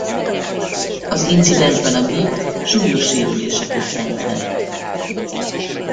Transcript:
Az incidensben a gép súlyos sérüléseket szenvedett.